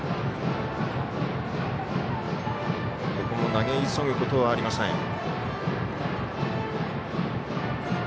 ここも投げ急ぐことはありません。